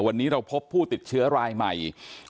วันนี้เราพบผู้ติดเชื้อรายใหม่